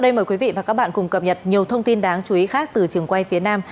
mời quý vị và các bạn cùng cập nhật nhiều thông tin đáng chú ý khác từ trường quay phía nam